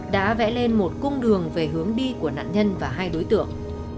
đã vẽ lên một cung đường về hướng đi của nạn nhân và hai đối tượng